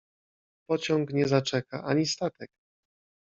Pociąg nie zaczeka, ani statek.